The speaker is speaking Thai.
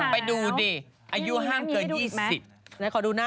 ไปดูดิอายุห้ามเกิน๒๐